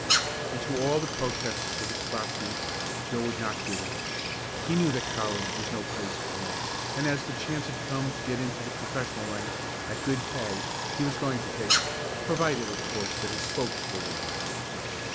And to all the protests of his classmates Joe would not give in. He knew that college was no place for him, and as the chance had come to get into the professional ranks, at good pay, he was going to take it; provided, of course, that his folks were willing.